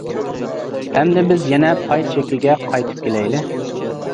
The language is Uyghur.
ئەمدى بىز يەنە پاي چېكىگە قايتىپ كېلەيلى.